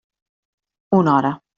Una hora.